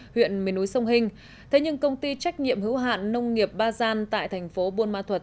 huyện miền núi sông hình thế nhưng công ty trách nhiệm hữu hạn nông nghiệp ba gian tại thành phố buôn ma thuật